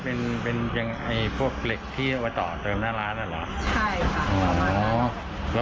เป็นเป็นอย่างไอ้พวกเหล็กที่เอาไปต่อเติมหน้าร้านอ่ะเหรอใช่ค่ะ